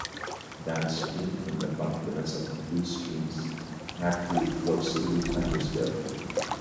Downstream from the confluence of the two streams, Knapp Creek flows through Huntersville.